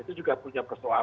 itu juga punya persoalan